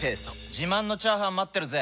自慢のチャーハン待ってるぜ！